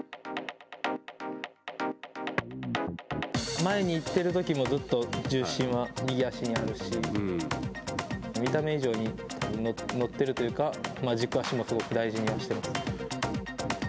前に行ってるときもずっと重心は右足にあるし、見た目以上に乗っているというか、軸足もすごく大事にはしてます。